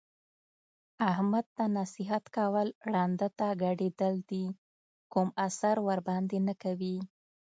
احمد ته نصیحت کول ړانده ته ګډېدل دي کوم اثر ورباندې نه کوي.